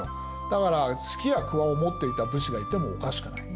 だからすきやくわを持っていた武士がいてもおかしくない。